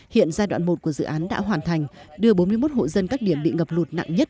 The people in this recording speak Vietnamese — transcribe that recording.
hiện giai đoạn một của dự án đã hoàn thành đưa bốn mươi một hộ dân các điểm bị ngập lụt nặng nhất